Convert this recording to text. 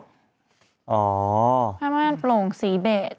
พระม่านโปร่งสีเบด